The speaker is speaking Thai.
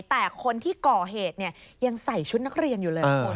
แต่คนที่ก่อเหตุยังใส่ชุดนักเรียนอยู่เลยคุณ